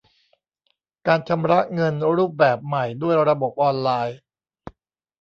การชำระเงินรูปแบบใหม่ด้วยระบบออนไลน์